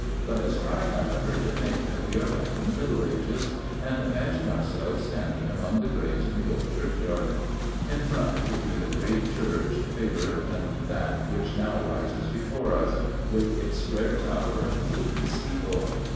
Let us try, however, to think that we are back in the Middle Ages, and imagine ourselves standing among the graves in the old churchyard. In front would be the great church, bigger than that which now rises before us, with its square tower and wooden steeple.